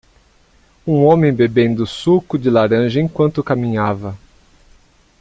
Um homem bebendo suco de laranja enquanto caminhava.